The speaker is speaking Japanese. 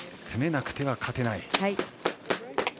攻めなくては勝てない。